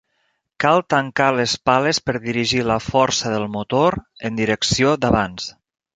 Cal tancar les pales per dirigir la força del motor en direcció d'avanç.